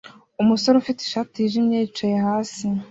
Umusore ufite ishati yijimye yicaye hasi